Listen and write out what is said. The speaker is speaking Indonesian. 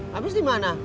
habis di mana